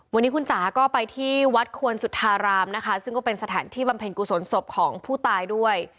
วันนี้คุณจ๋าก็ไปที่วัดควรสุธารามนะคะซึ่งก็เป็นสถานที่บำเพ็ญกุศลศพของผู้ตายด้วย